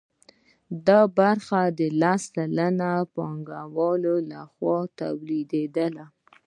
دا برخه د لس سلنه پانګوالو لخوا تولیدېدله